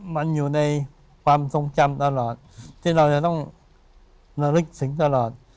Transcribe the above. มันอยู่ในความทรงจำตลอดที่เราจะต้องระลึกถึงตลอด